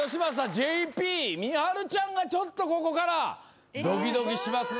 ＪＰみはるちゃんがちょっとここからドキドキしますね。